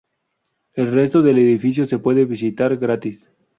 El resto del edificio se puede visitar gratis.